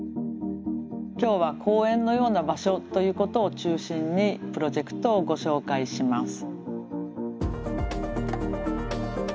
今日は公園のような場所ということを中心にプロジェクトをご紹介します。